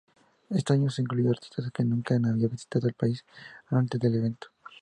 Este año se incluyó artistas que nunca habían visitado el país antes del evento.